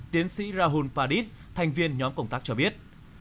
tiến sĩ rahun padit thành viên nhóm công tác cho biết